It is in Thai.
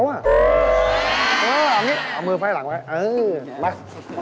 เออเอาอย่างนี้เอามือไฟหลังไว้เออมา